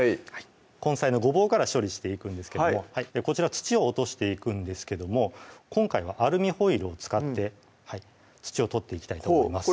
根菜のごぼうから処理していくんですけどもこちら土を落としていくんですけども今回はアルミホイルを使って土を取っていきたいと思います